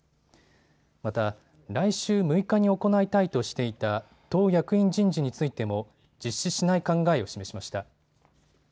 また来週６日に行いたいとしていた党役員人事についても実施しない考えを示しました。